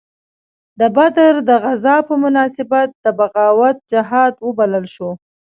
د بدر د غزا په مناسبت دا بغاوت جهاد وبلل شو.